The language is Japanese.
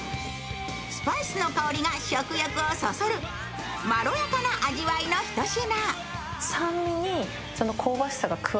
スパイスの香りが食欲をそそるまろやかな味わいのひと品。